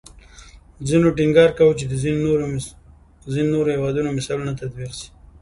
ځینو ټینګار کوو چې د ځینې نورو هیوادونو مثالونه تطبیق شي